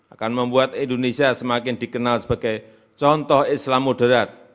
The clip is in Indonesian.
akan membuat indonesia semakin dikenal sebagai contoh islam moderat